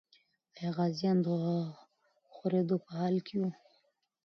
آیا غازیان د خورېدو په حال کې وو؟